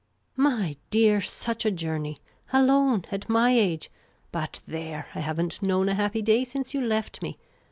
" My dear, such a journey !— alone, at my age — bnt there, I have n't known a happy day since you left me